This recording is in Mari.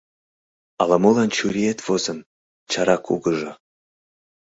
Ала-молан чуриет возын, — чара кугыжо.